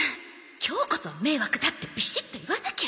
今日こそ迷惑だってビシッと言わなきゃ！